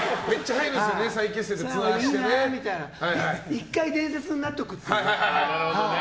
１回伝説になっておくっていう。